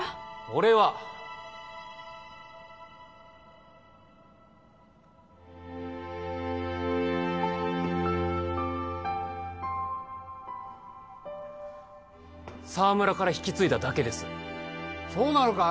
俺は沢村から引き継いだだけですそうなのか？